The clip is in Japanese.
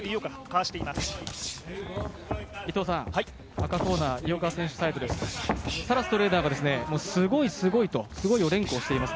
赤コーナー井岡選手サイトです。